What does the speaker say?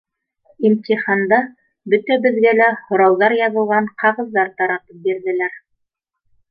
Имтиханда бөтәбеҙгә лә һорауҙар яҙылған ҡағыҙҙар таратып бирҙеләр.